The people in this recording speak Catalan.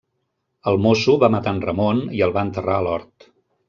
El mosso va matar en Ramon i el va enterrar a l'hort.